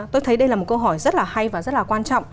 tôi thấy đây là một câu hỏi rất là hay và rất là quan trọng